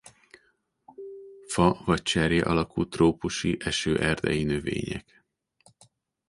Fa vagy cserje alakú trópusi esőerdei növények.